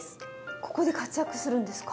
ここで活躍するんですか？